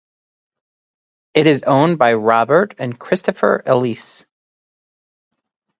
It is owned by Robert and Christopher Eisele.